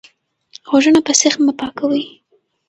غوږونه په سیخ مه پاکوئ.